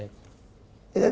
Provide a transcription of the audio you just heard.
kita tunggu sama sama